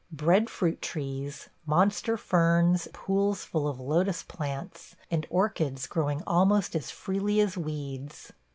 Breadfruit trees, monster ferns, pools full of lotus plants, and orchids growing almost as freely as weeds.